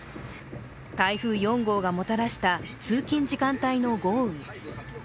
台風４号がもたらした通勤時間帯の豪雨。